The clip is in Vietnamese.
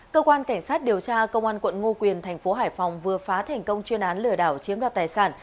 cơ quan cảnh sát điều tra công an quận ngo quyền thành phố hải phòng vừa phá thành công chuyên án lửa đảo chiếm đoạt tài sản